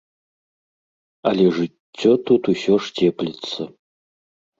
Але жыццё тут усё ж цепліцца.